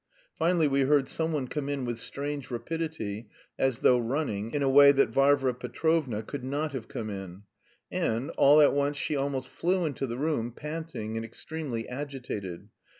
Finally, we heard some one come in with strange rapidity as though running, in a way that Varvara Petrovna could not have come in. And, all at once she almost flew into the room, panting and extremely agitated.